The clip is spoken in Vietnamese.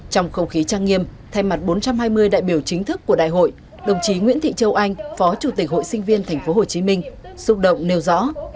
trong không khí trang nghiêm thay mặt bốn trăm hai mươi đại biểu chính thức của đại hội đồng chí nguyễn thị châu anh phó chủ tịch hội sinh viên tp hcm xúc động nêu rõ